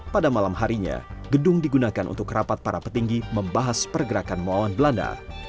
pada malam harinya gedung digunakan untuk rapat para petinggi membahas pergerakan melawan belanda